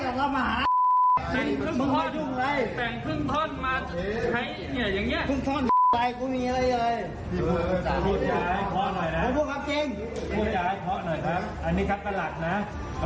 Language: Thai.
ไหนจะมันมาหา